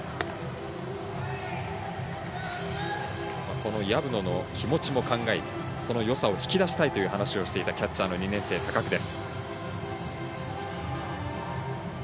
この薮野の気持ちも考えてそのよさを引き出したいという話をしていたキャッチャーの２年生、高久です。